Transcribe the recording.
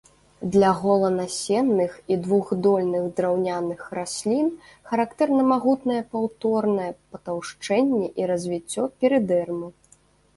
Для голанасенных і двухдольных драўняных раслін характэрна магутнае паўторнае патаўшчэнне і развіццё перыдэрмы.